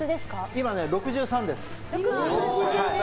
今、６３です。